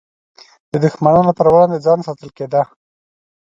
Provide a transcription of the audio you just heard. دښمنانو پر وړاندې ځان ساتل کېده.